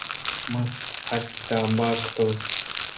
ما پنج کتاب بھا کتگ